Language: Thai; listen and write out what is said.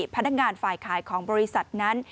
พนักงานฝ่ายขายของบริษัทนั้น